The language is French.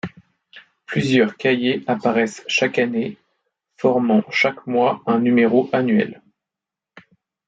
Plusieurs cahiers paraissent chaque année, formant chaque fois un numéro annuel.